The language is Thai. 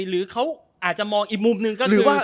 หรือเขาอาจจะมองอีกมุมนึง